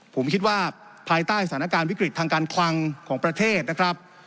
ผมคิดว่าภายใต้สถานการณ์วิกฤตทางการคลังของประเทศนะครับ